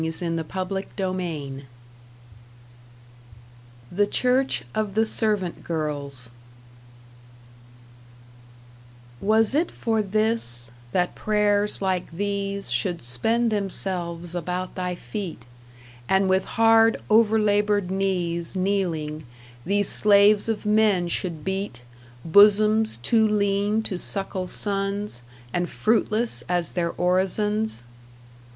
#BOOK THREE# #The Church of the Servant girls# Was it for this that prayers like these Should spend themselves about thy feet, And with hard, overlabored knees Kneeling, these slaves of men should beat Bosoms too lean to suckle sons And fruitless as their orisons?